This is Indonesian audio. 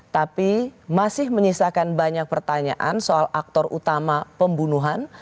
tapi masih menyisakan banyak pertanyaan soal aktor utama pembunuhan